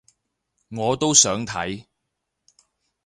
我都想睇